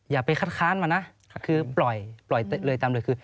อย่าไปคัดค้านมานะคือปล่อยเลยตามเลยคือ